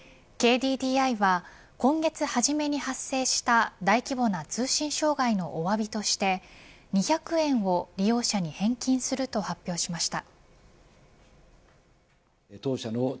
ＫＤＤＩは今月初めに発生した大規模な通信障害のおわびとして２００円を利用者に返金すると発表しました。